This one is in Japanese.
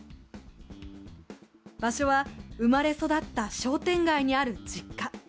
場所は生まれ育った商店街にある実家。